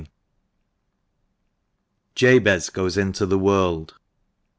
JABEZ GOES INTO THE WORLD.